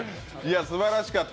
すばらしかった。